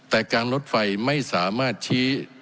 แต่การรถไฟไม่สามารถชี้